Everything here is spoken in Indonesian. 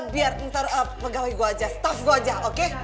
biar ntar pegawai gue aja staff gue aja oke